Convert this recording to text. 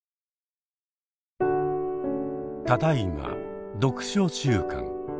ただいま読書週間。